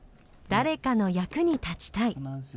誰かの役に立ちたい。